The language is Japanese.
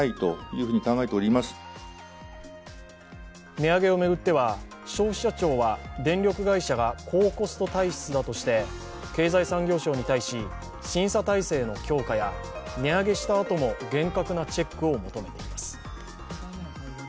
値上げを巡っては消費者庁は電力会社が高コスト体質だとして経済産業省に対し、審査体制の強化や値上げしたあとも厳格なチェックを求めています。